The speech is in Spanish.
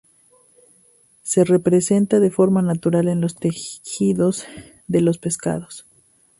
Se presenta de forma natural en los tejidos de los pescados.